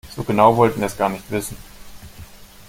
So genau wollten wir es gar nicht wissen.